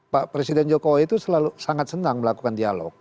pak presiden jokowi itu selalu sangat senang melakukan dialog